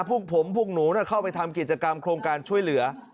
พวกผมพวกหนูเข้าไปทำกิจกรรมโครงการช่วยเหลือ